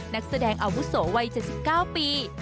นักแสดงอาวุโสวัย๗๙ปี